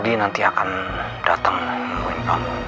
adi nanti akan datang nungguin kamu